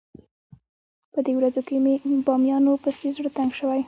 په دې ورځو کې مې بامیانو پسې زړه تنګ شوی.